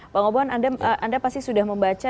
pak ngoboan anda pasti sudah membaca